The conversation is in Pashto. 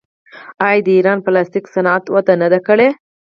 آیا د ایران پلاستیک صنعت وده نه ده کړې؟